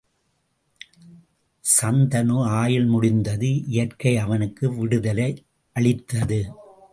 சந்தனு ஆயுள் முடிந்தது இயற்கை அவனுக்கு விடுதலை அளித்தது.